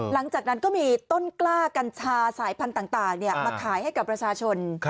หลังจากนั้นก็มีต้นกล้ากัญชาสายพันธุ์ต่างมาขายให้กับประชาชน